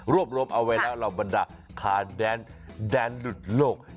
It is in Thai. รวมเอาไว้แล้วเหล่าบรรดาขาแดนแดนหลุดโลก